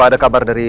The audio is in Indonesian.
kau nangis di sini